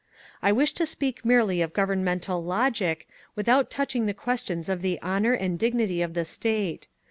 "I wish to speak merely of governmental logic, without touching the questions of the honour and dignity of the State.